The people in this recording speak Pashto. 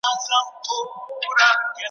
شپې چي مي په صبر سپینولې اوس یې نه لرم .